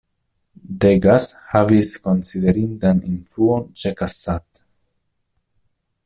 Degas havis konsiderindan influon ĉe Cassatt.